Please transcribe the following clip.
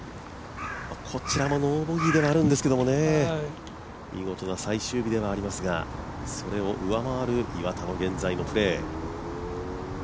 こちらもノーボギーではあるんですけれどもね見事な最終日ではありますがそれを上回る現在のプレー。